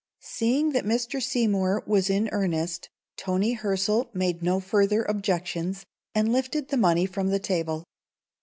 Seeing that Mr. Seymour was in earnest, Toni Hirzel made no further objections, and lifted the money from the table.